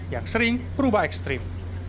yang sering berubah ekstrim